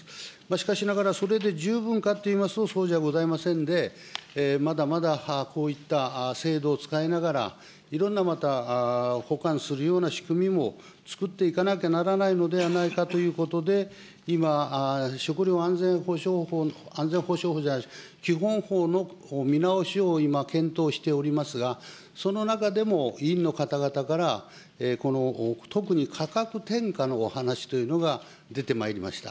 しかしながらそれで十分かといいますと、そうじゃございませんで、まだまだこういった制度を使いながら、いろんな、また、補完するような仕組みも作っていかなきゃならないのではないかということで、今、食料安全保障法じゃなくて、基本法の見直しを今、検討しておりますが、その中でも、委員の方々からこの特に価格転嫁のお話というのが出てまいりました。